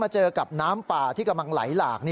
เจอกับน้ำป่าที่กำลังไหลหลาก